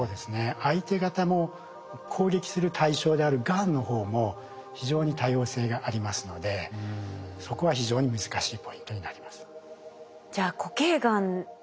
相手方も攻撃する対象であるがんの方も非常に多様性がありますのでそこは非常に難しいポイントになります。